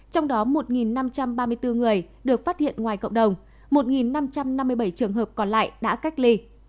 trong đó một năm trăm ba mươi bốn người được phát hiện ngoài cộng đồng một năm trăm năm mươi bảy trường hợp còn lại đã cách ly